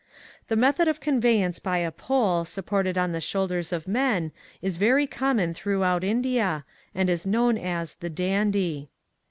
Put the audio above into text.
The method of conveyance by a pole supported on the shoulders of men is very common throughout India, and is known as the "dandy."